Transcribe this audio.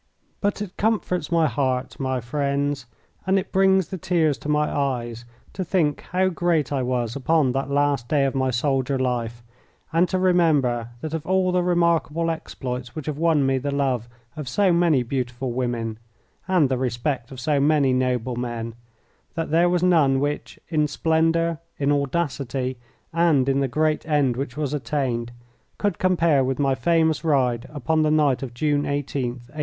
But it comforts my heart, my friends, and it brings the tears to my eyes, to think how great I was upon that last day of my soldier life, and to remember that of all the remarkable exploits which have won me the love of so many beautiful women, and the respect of so many noble men, there was none which, in splendour, in audacity, and in the great end which was attained, could compare with my famous ride upon the night of June 18th, 1815.